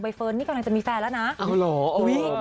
เฟิร์นนี่กำลังจะมีแฟนแล้วนะ